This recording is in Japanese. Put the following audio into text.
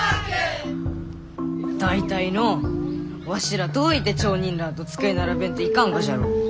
大体のうわしらどういて町人らあと机並べんといかんがじゃろう？